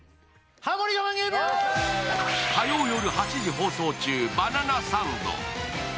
火曜夜８時放送中、「バナナサンド」。